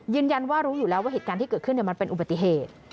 ยืนยันว่ารู้อยู่แล้วว่าเหตุการณ์ที่เกิดขึ้นมันเป็นอุบัติเหตุ